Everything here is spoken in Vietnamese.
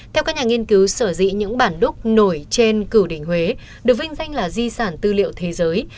theo các nhà nghiên cứu sở dĩ những bản đúc nổi trên cử đỉnh huế được vinh danh là di sản tư liệu thế giới